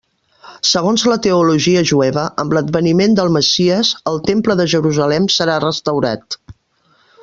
Segons la teologia jueva, amb l'adveniment del Messies, el Temple de Jerusalem serà restaurat.